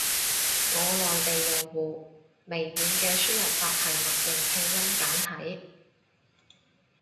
我內地用戶，微軟嘅輸入法係默認拼音簡體。